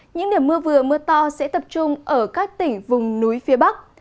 những điểm mưa vừa mưa to sẽ tập trung ở các tỉnh vùng núi phía bắc